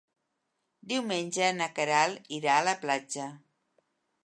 Diumenge na Queralt irà a la platja.